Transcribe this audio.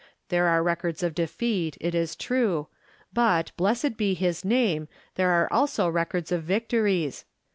There are records of defeat, it is true, but, blessed be his name, there are also records of victories.